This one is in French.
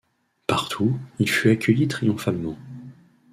Partout, il fut accueilli triomphalement.